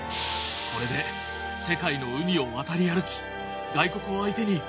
これで世界の海を渡り歩き外国を相手に自由に仕事できる。